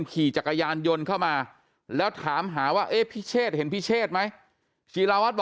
ขี่จักรยานยนต์เข้ามาแล้วถามหาว่าเอ๊ะพิเชษเห็นพิเชษไหมศิลาวัตรบอก